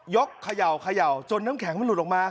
ยกขย่าวจนน้ำแข็งมันหลุดออกมาครับ